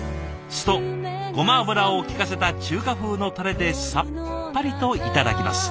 酢とごま油を利かせた中華風のタレでさっぱりといただきます。